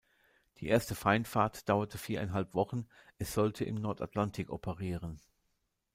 Die erste Feindfahrt dauerte viereinhalb Wochen, es sollte im Nordatlantik operieren.